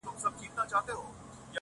دا به چيري خيرن سي_